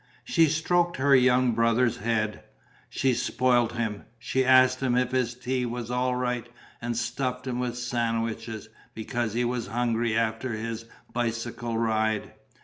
She stroked her young brother's head. She spoilt him, she asked him if his tea was all right and stuffed him with sandwiches, because he was hungry after his bicycle ride.